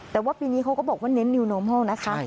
แต่ว่าปีนี้เขาก็บอกว่าเน้นนิวโนมัลนะคะ